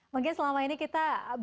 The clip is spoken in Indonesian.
mungkin selama ini kita berada di pusat